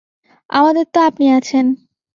আমাদের তো আপনি আছেন।